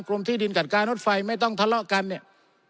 ที่ดินจัดการรถไฟไม่ต้องทะเลาะกันเนี่ย